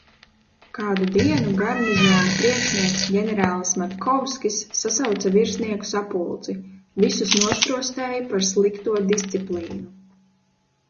Kādu dienu garnizona priekšnieks ģenerālis Matkovskis sasauca virsnieku sapulci, visus nostrostēja par slikto disciplīnu.